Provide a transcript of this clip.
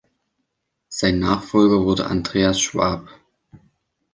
Sein Nachfolger wurde Andreas Schwab.